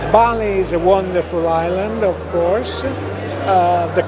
bali adalah pulau yang luar biasa